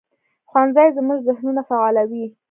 ښوونځی زموږ ذهنونه فعالوي